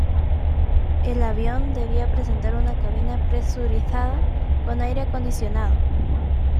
El avión debía presentar una cabina presurizada con aire acondicionado.